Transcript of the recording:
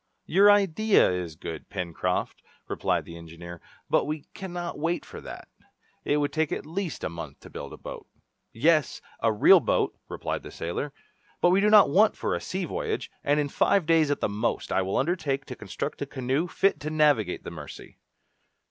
"Your idea is good, Pencroft," replied the engineer, "but we cannot wait for that. It would take at least a month to build a boat." "Yes, a real boat," replied the sailor; "but we do not want one for a sea voyage, and in five days at the most, I will undertake to construct a canoe fit to navigate the Mercy."